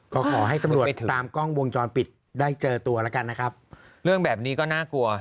ก็ขอให้ตำรวจติดตามกล้องวงจรปิดได้เจอตัวแล้วกันนะครับเรื่องแบบนี้ก็น่ากลัว